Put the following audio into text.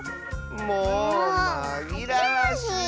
もうまぎらわしいよ。